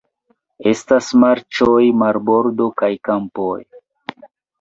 Estas marĉoj, marbordo kaj kampoj.